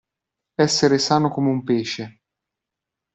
Essere sano come un pesce.